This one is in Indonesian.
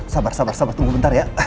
sabar sabar sabar tunggu bentar ya